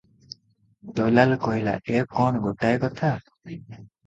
ଦଲାଲ କହିଲା, "ଏ କଣ ଗୋଟାଏ କଥା?